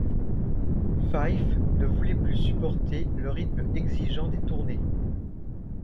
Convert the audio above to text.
Fyfe ne voulait plus supporter le rythme exigeant des tournées.